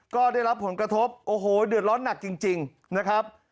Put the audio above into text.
ก็ได้รับผลกระทบโอ้โหเดือดร้อนหนักจริงนะครับ